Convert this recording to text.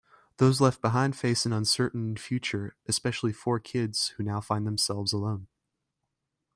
Those left behind face an uncertain future-especially four kids who now find themselves alone.